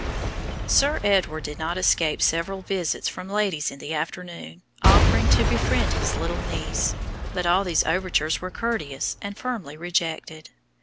Sir Edward did not escape several visits from ladies in the neighborhood offering to befriend his little niece, but all these overtures were courteously and firmly rejected.